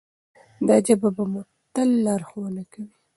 دا ژبه به مو تل لارښوونه کوي.